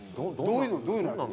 どういうの？